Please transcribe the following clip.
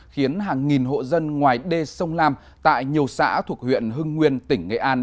khiến hàng nghìn hộ dân ngoài đê sông lam tại nhiều xã thuộc huyện hưng nguyên tỉnh nghệ an